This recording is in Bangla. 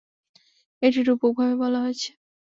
এটি রূপকভাবে বলা হয়েছে।